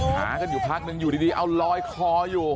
หากันอยู่พักนึงอยู่ดีเอาลอยคออยู่